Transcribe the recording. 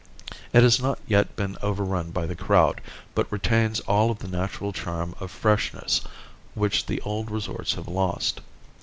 It has not yet been overrun by the crowd, but retains all of the natural charm of freshness which the old resorts have lost.